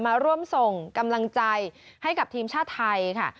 มาร่วมส่งกำลังใจให้กับทีมชาติไทยค่ะ